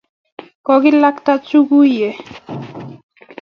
kokilakta chuguye